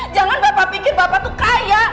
jangan bapak pikir bapak tuh kaya